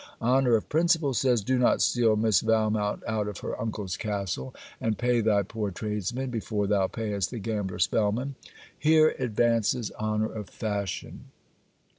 Honour of principle says 'Do not steal Miss Valmont out of her uncle's castle; and pay thy poor tradesmen before thou payest the gambler Spellman.' Here advances honour of fashion.